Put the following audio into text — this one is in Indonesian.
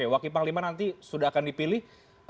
wakil panglima nanti sudah akan dipilih